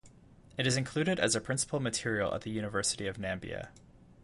It is included as a principal material at the University of Namibia.